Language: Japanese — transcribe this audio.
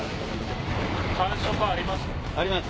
感触あります？